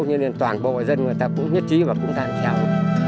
như nên toàn bộ dân người ta cũng nhất trí và cũng tham khảo